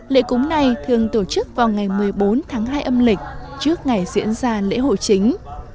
lễ cúng này thường tổ chức vào ngày một mươi bốn tháng hai âm lịch trước ngày diễn ra lễ hội chính